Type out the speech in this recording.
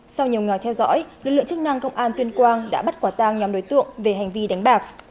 sau nhiều ngày theo dõi lực lượng chức năng công an tuyên quang đã bắt quả tang nhóm đối tượng về hành vi đánh bạc